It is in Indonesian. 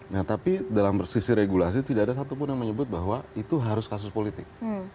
nah tapi dalam sisi regulasi tidak ada satupun yang menyebut bahwa itu harus kasus politik